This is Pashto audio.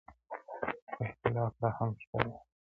خو اختلاف لا هم شته ډېر.